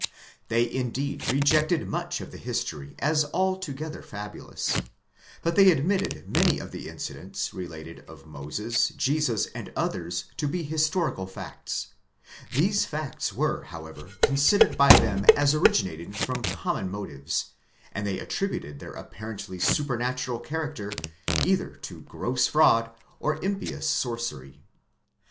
They indeed rejected much of the history as alto gether fabulous ; but they admitted many of the incidents related of Moses, Jesus, and others, to be historical facts: these facts were however considered by them as originating from common motives; and they attributed their apparently supernatural character either to gross fraud or impious sorcery.